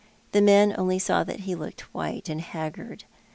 The men only saw that he looked white and haggard.